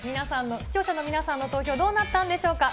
視聴者の皆さんの投票、どうなったんでしょうか。